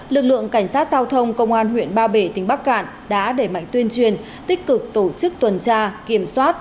lực lượng cảnh sát giao thông công an huyện ba bể tỉnh bắc cạn đã đẩy mạnh tuyên truyền tích cực tổ chức tuần tra kiểm soát